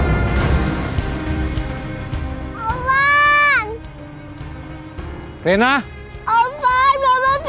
crate selama bayi laying pernah bikin langsung balacha